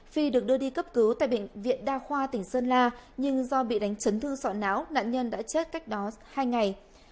phi được đưa đi cấp cứu tại bệnh viện đa khoa tỉnh sơn la nhưng do bị đánh chấn thương sọ não nạn nhân đã chết cách đó hai ngày